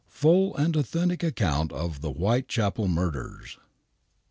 m FULL AND AUTHENTIC ACCOUNT OF THE WHITECHAPEL MURDERS.